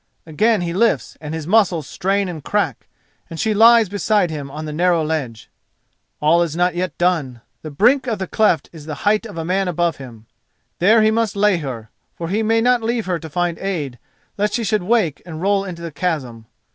Again he lifts and his muscles strain and crack, and she lies beside him on the narrow ledge! All is not yet done. The brink of the cleft is the height of a man above him. There he must lay her, for he may not leave her to find aid, lest she should wake and roll into the chasm.